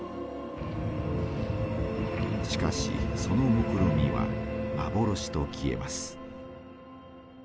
しかしそのもくろみは幻と消えます。